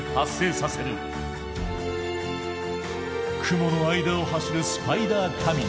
雲の間を走るスパイダー雷。